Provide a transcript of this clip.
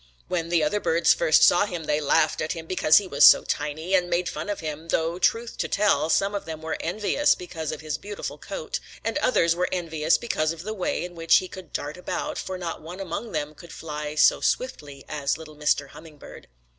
When the other birds first saw him, they laughed at him because he was so tiny, and made fun of him. though truth to tell some of them were envious because of his beautiful coat, and others were envious because of the way in which he could dart about, for not one among them could fly so swiftly as little Mr. Hummingbird.